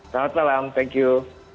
selamat malam thank you